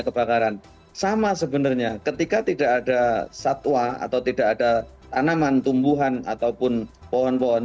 kebakaran sama sebenarnya ketika tidak ada satwa atau tidak ada tanaman tumbuhan ataupun pohon pohon